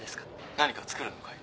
何か作るのかい？